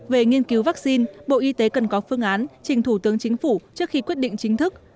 về nghiên cứu vaccine bộ y tế cần có phương án trình thủ tướng chính phủ trước khi quyết định chính thức